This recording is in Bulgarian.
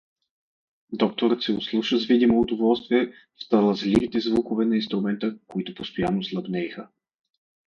Докторът се ослуша с видимо удоволствие в талазливите звукове на инструмента, които постоянно слабнееха.